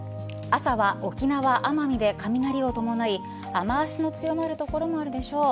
朝は沖縄奄美で雷を伴い雨脚の強まる所もあるでしょう。